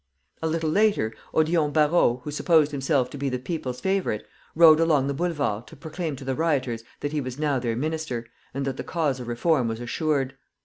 A little later, Odillon Barrot, who supposed himself to be the people's favorite, rode along the Boulevard to proclaim to the rioters that he was now their minister, and that the cause of reform was assured.